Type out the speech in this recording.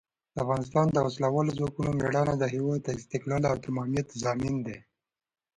د افغانستان د وسلوالو ځواکونو مېړانه د هېواد د استقلال او تمامیت ضامن ده.